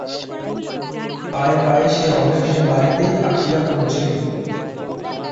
পায়ে পায়ে সে অবশেষে বাড়িতেই আসিয়া পৌঁছিল।